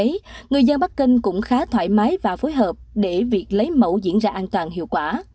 vì vậy người dân bắc kinh cũng khá thoải mái và phối hợp để việc lấy mẫu diễn ra an toàn hiệu quả